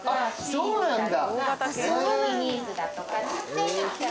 そうなんだ。